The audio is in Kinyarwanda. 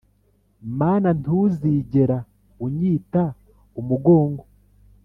mana, ntuzigera unyite umugongo